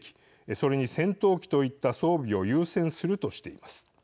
それに、戦闘機といった装備を優先するとしています。